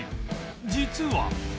実は